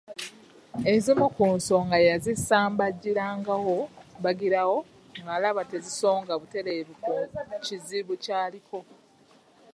Ezimu ku nsonga yazisambajjirangawo mbagirawo ng’alaba tezisonga butereevu ku kizibu ky’aliko.